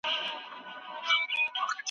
میلاټونین د مغزو حجراتو سره تړاو لري.